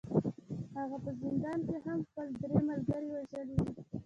هغه په زندان کې هم خپل درې ملګري وژلي وو